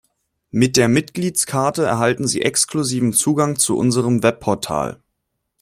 Mit der Mitgliedskarte erhalten Sie exklusiven Zugang zu unserem Webportal.